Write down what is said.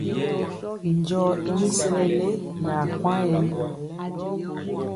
Njɔo i mi sesele nɛ akwaŋ yen.